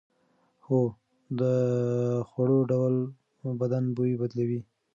هو، د خوړو ډول بدن بوی بدلوي.